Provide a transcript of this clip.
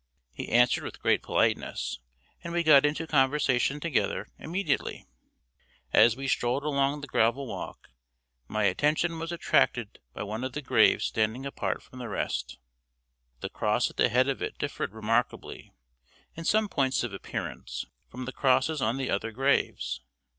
He answered with great politeness, and we got into conversation together immediately. As we strolled along the gravel walk, my attention was attracted by one of the graves standing apart from the rest. The cross at the head of it differed remarkably, in some points of appearance, from the crosses on the other graves.